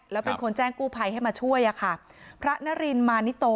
แล้วเป็นคนแจ้งกู้ภัยให้มาช่วยอะค่ะพระนรินมานิโต